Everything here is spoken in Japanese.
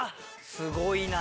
すごいな。